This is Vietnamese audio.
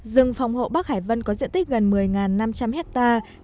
rừng phòng hộ bắc hải vân có diện tích gần một mươi năm trăm linh hectare